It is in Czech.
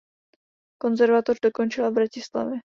Konzervatoř dokončila v Bratislavě.